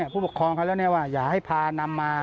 ผู้ปกครองเขาแล้วว่าอย่าให้พานำมา